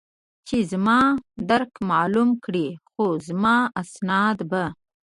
چې زما درک معلوم کړي، خو زما اسناد به.